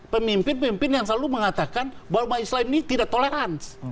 pemimpin pemimpin yang selalu mengatakan bahwa umat islam ini tidak toleransi